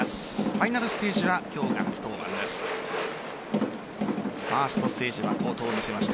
ファイナルステージは今日が初登板です。